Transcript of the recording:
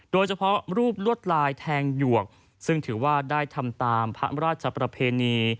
โดยเฉพาะรูปลวดลายแทงหยวกซึ่งถือว่าได้ทำตามพระราชประเพณี